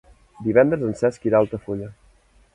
Divendres en Cesc irà a Altafulla.